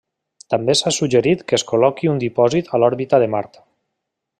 També s'ha suggerit que es col·loqui un dipòsit a l'òrbita de Mart.